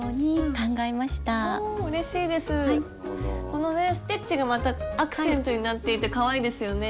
このねステッチがまたアクセントになっていてかわいいですよね。